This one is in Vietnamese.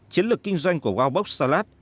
chiến lược kinh doanh của wowbox salad